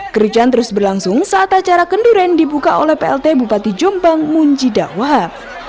kericuan terus berlangsung saat acara kenduren dibuka oleh plt bupati jombang munjidawahap